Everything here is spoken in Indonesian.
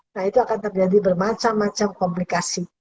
nah itu akan terjadi bermacam macam komplikasi